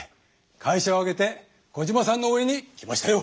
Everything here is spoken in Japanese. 会社を挙げてコジマさんの応えんに来ましたよ！